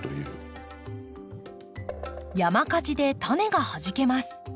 山火事でタネがはじけます。